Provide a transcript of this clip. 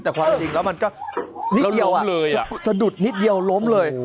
แต่ความจริงแล้วมันก็นิดเดียวสะดุดนิดเดียวล้มเลย